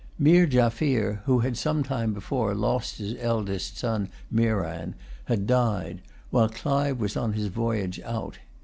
Meer Jaffier, who had some time before lost his eldest son Meeran, had died while Clive was on his voyage out.